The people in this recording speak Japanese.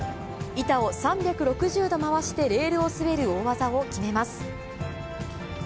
板を３６０度回してレールを滑る大技を決めます。